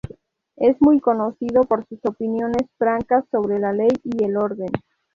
Es muy conocido por sus opiniones francas sobre la ley y el orden.